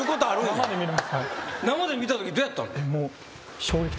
生で見たときどうやったの？